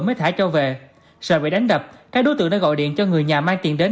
mới thả cho về sợ bị đánh đập các đối tượng đã gọi điện cho người nhà mang tiền đến